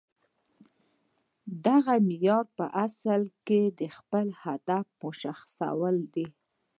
دغه معیار په اصل کې د خپل هدف مشخصول دي